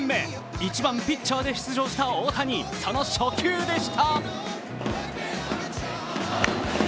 １番・ピッチャーで出場した大谷、その初球でした。